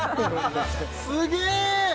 すげえ！